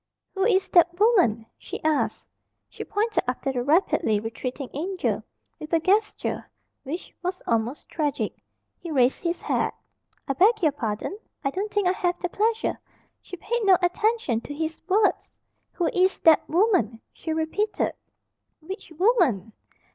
"Who is that woman?" she asked. She pointed after the rapidly retreating "Angel" with a gesture which was almost tragic. He raised his hat. "I beg your pardon? I don't think I have the pleasure " She paid no attention to his words. "Who is that woman?" she repeated. "Which woman?"